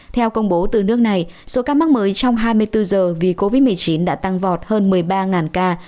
theo công bố từ nước này số ca mắc mới trong hai mươi bốn giờ vì covid một mươi chín đã tăng vọt hơn một mươi ba ca